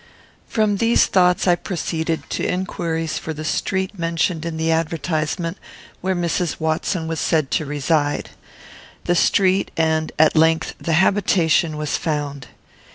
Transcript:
From these thoughts I proceeded to inquiries for the street mentioned in the advertisement, where Mrs. Watson was said to reside. The street, and, at length, the habitation, was found.